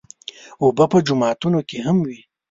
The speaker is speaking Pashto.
اوبه په جوماتونو کې هم وي.